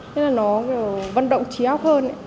nên là nó kiểu vận động trí óc hơn